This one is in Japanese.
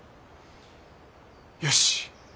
よし。